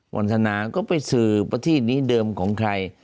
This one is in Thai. วันธนาก็ไปสื่อประตุชินิเดิมของใคร